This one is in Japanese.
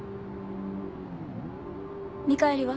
見返りは？